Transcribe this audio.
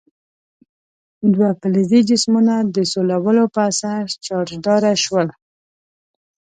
دوه فلزي جسمونه د سولولو په اثر چارجداره شول.